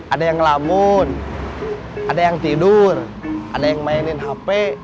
ada yang ngelamun ada yang tidur ada yang mainin hp